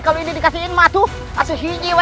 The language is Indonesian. kalau ini dikasih inma tuh